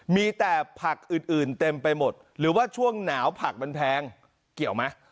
มีแต่ผักอื่นเต็มไปหมดหรือว่าช่วงหนาวผักมันแพงเกี่ยวไหม